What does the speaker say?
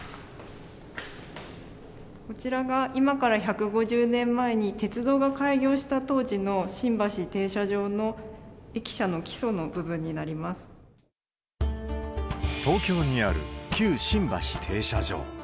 こちらが、今から１５０年前に鉄道が開業した当時の新橋停車場の駅舎の基礎東京にある旧新橋停車場。